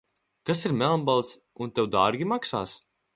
Kas ir melnbalts un tev dārgi maksās?